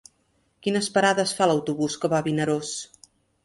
Quines parades fa l'autobús que va a Vinaròs?